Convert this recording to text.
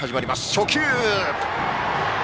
初球！